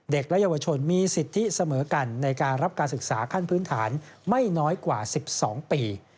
เด็กและเยาวชนมีสิทธิเสมอกันในการรับการศึกษาขั้นพื้นฐานไม่น้อยกว่า๑๒ปี